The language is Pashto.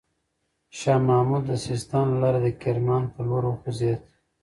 شاه محمود د سیستان له لاري د کرمان پر لور وخوځېد.